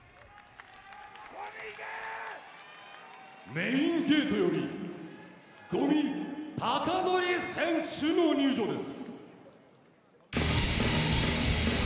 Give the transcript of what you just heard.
メインゲートより五味隆典選手の入場です。